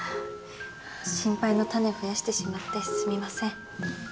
心配の種増やしてしまってすみません。